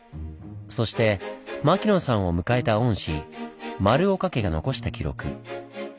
そして牧野さんを迎えた御師丸岡家が残した記録。